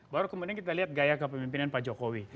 baru kemudian kita lihat gaya kepemimpinan pak jokowi